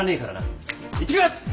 行ってきます！